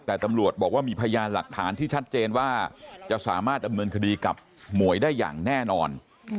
แต่ตำรวจบอกว่ามีพยานหลักฐานที่ชัดเจนว่าจะสามารถดำเนินคดีกับหมวยได้อย่างแน่นอน